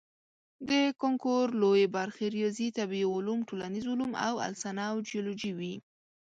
د کانکور لویې برخې ریاضي، طبیعي علوم، ټولنیز علوم او السنه او جیولوجي وي.